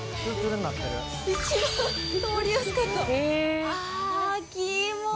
一番通りやすかった。